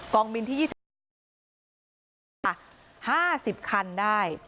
กองบินที่๒๐คันได้